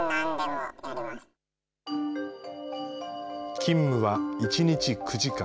勤務は１日９時間。